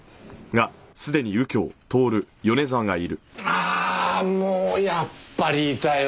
ああーもうやっぱりいたよ。